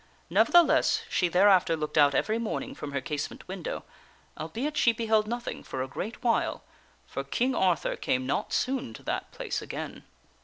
Nevertheless, she thereafter looked out every morning from her casement window, albeit she beheld nothing for a great while, for King Arthur came not soon to that place again.